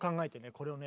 これをね